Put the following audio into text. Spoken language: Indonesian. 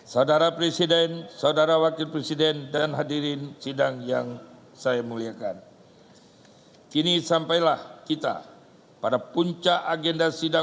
saudara presiden saudara wakil presiden